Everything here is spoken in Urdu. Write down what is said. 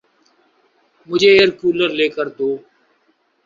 مجھے ائیر کُولر لے کر دو